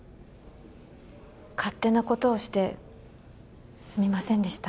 勝手なことをしてすみませんでした